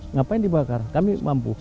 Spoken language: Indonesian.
ngapain dibakar kami mampu